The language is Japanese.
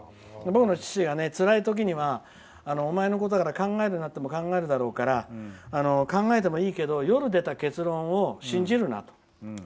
僕の父がつらい時にはお前のことだから考えるなといっても考えるだろうから考えてもいいけど夜出た結論を信じるなと。